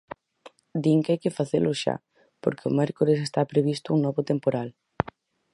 Din que hai que facelo xa, porque o mércores está previsto un novo temporal.